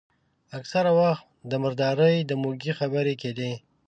اکثره وخت د مردارۍ د موږي خبرې کېدې.